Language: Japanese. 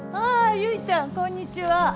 ああ結ちゃんこんにちは。